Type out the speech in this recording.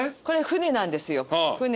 これ船なんですよ。